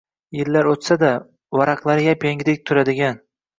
Yillar o‘tsa-da, varaqlari yap-yangidek turadigan